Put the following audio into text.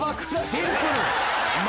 シンプル！